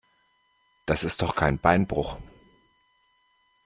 Das ist doch kein Beinbruch.